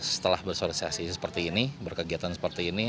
setelah bersosiasi seperti ini berkegiatan seperti ini